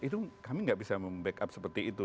itu kami nggak bisa membackup seperti itu